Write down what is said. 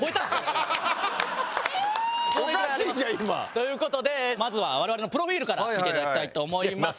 という事でまずは我々のプロフィールから見て頂きたいと思います。